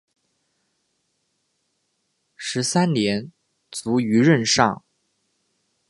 十三年卒于任上。